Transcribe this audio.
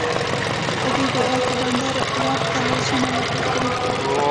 په دې دعا کې بنده رب ته لاسونه لپه کړي.